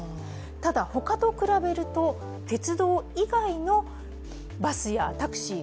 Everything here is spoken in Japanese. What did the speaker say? ただ、他と比べると鉄道以外のバスやタクシー、